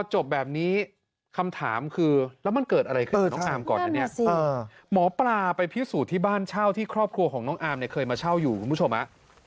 หมอปลาไปพิสูจน์ที่บ้านเช่าที่ครอบครัวของน้องอามเนี่ยเคยมาเช่าอยู่คุณผู้ชมฮะ